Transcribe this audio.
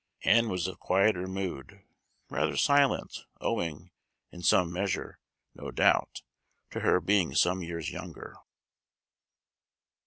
Ann was of quieter mood, rather silent, owing, in some measure, no doubt, to her being some years younger.